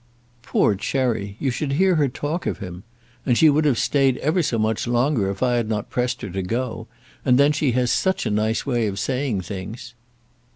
"Poor Cherry! you should hear her talk of him! And she would have stayed ever so much longer if I had not pressed her to go; and then she has such a nice way of saying things."